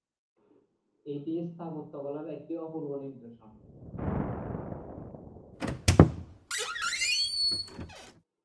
এটি স্থাপত্যকলার একটি অপূর্ব নিদর্শন।